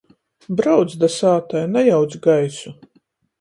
Brauc da sātai, najauc gaisu.